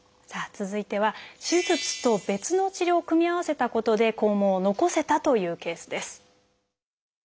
続いては手術と別の治療を組み合わせたことで肛門を残せたというケースです。